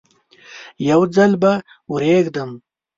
یو ځل به ورېږدم.